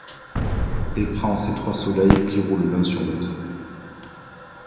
Et prends ses trois soleils qui roulent l’un sur l’autre ;